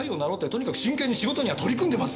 とにかく真剣に仕事には取り組んでます。